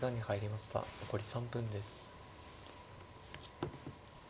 残り３分です。